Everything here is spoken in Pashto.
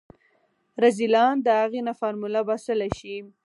رذيلان د اغې نه فارموله باسلی شي.